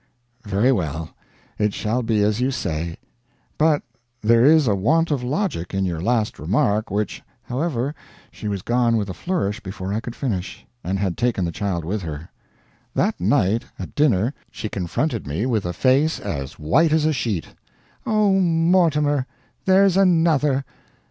"Very well, it shall be as you say. But there is a want of logic in your last remark which " However, she was gone with a flourish before I could finish, and had taken the child with her. That night at dinner she confronted me with a face as white as a sheet: "Oh, Mortimer, there's another!